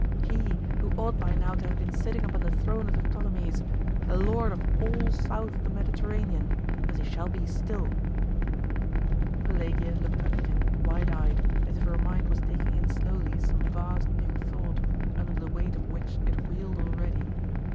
He, who ought by now to have been sitting upon the throne of the Ptolemies, the lord of all south of the Mediterranean as he shall be still!' Pelagia looked tip at him wide eyed, as if her mind was taking in slowly some vast new thought, under the weight of which it reeled already.